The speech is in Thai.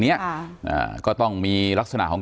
การแก้เคล็ดบางอย่างแค่นั้นเอง